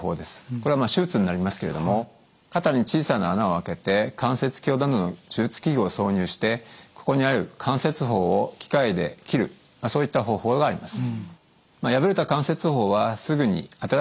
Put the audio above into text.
これはまあ手術になりますけれども肩に小さな穴を開けて関節鏡などの手術器具を挿入してここにある関節包を機械で切るそういった方法があります。